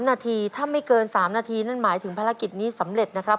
นาทีถ้าไม่เกิน๓นาทีนั่นหมายถึงภารกิจนี้สำเร็จนะครับ